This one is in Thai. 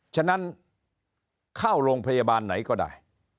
ฉะนั้นเข้าโรงพยาบาลไหนก็ได้